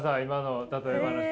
今の例え話。